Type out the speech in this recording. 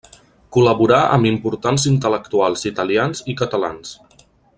Col·laborà amb importants intel·lectuals italians i catalans.